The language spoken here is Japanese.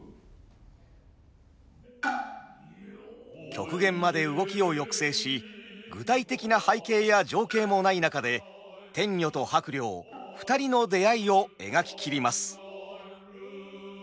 極限まで動きを抑制し具体的な背景や情景もない中で天女と伯了２人の出会いを描き切ります。